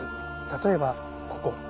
例えばここ。